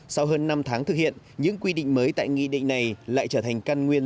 sau hơn năm tháng thực hiện những quy định mới tại nghị định này lại trở thành căn nguyên